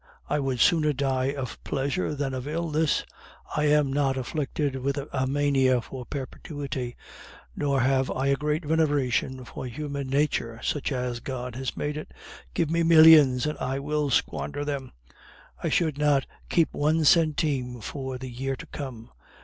I would sooner die of pleasure than of illness. I am not afflicted with a mania for perpetuity, nor have I a great veneration for human nature, such as God has made it. Give me millions, and I would squander them; I should not keep one centime for the year to come.